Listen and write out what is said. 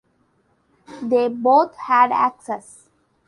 They both had access.